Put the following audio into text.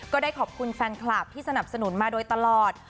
ก็ได้ขอบคุณแฟนคลับที่สนับสนุนมาโดยตลอด